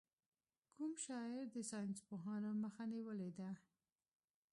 کوم شاعر د ساینسپوهانو مخه نېولې ده.